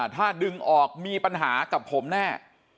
ถ้าดึงออกมีปัญหากับผมแน่